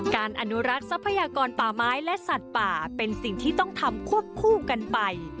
อนุรักษ์ทรัพยากรป่าไม้และสัตว์ป่าเป็นสิ่งที่ต้องทำควบคู่กันไป